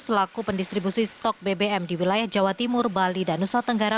selaku pendistribusi stok bbm di wilayah jawa timur bali dan nusa tenggara